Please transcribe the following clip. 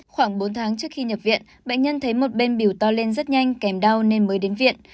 khoảng bốn tháng trước khi nhập viện bệnh nhân thấy một bên biểu to lên rất nhanh kèm đau nên mới đến viện